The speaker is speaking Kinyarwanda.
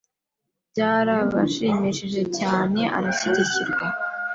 byarabashimishije cyane arashyigikirwa